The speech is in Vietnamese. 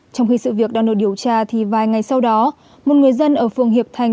trong khi sự việc đang được điều tra thì vài ngày sau đó một người dân ở phường hiệp thành